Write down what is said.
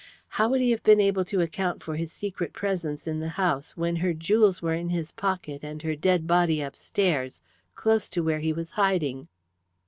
How would he have been able to account for his secret presence in the house when her jewels were in his pocket and her dead body upstairs, close to where he was hiding?